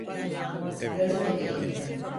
Gazeteciyim.